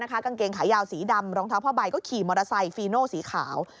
กางเกงขายาวสีดำรองเท้าผ้าใบก็ขี่มอเตอร์ไซค์ฟีโนสีขาว